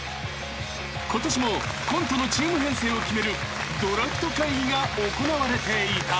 ［ことしもコントのチーム編成を決めるドラフト会議が行われていた］